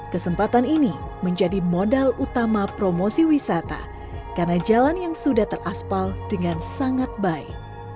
kesempatan ini menjadi modal utama promosi wisata karena jalan yang sudah teraspal dengan sangat baik